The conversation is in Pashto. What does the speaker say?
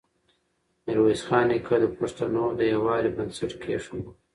ميرويس خان نیکه د پښتنو د يووالي بنسټ کېښود.